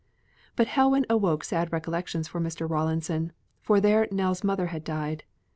But Helwan awoke sad recollections for Mr. Rawlinson, for there Nell's mother had died.